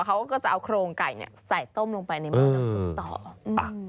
เขาก็จะเอาโครงไก่ใส่ต้มลงไปในมันกับซุปต่อ